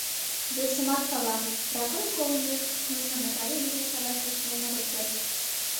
Весымат пала: Прокой колымек, нуно Натали дене садак ушнен огыт керт.